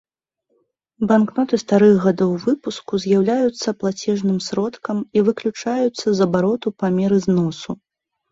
Банкноты старых гадоў выпуску з'яўляюцца плацежным сродкам і выключаюцца з абароту па меры зносу.